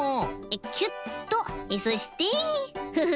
キュッとそしてフフ。